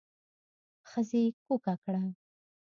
ښځې کوکه کړه.